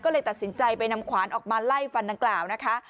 ก็เลยตัดสินใจไปนำขวานออกมาไล่ฟันดังกล่าวนะคะ